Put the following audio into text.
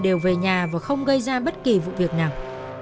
đều về nhà và không gây ra bất kỳ vụ việc nào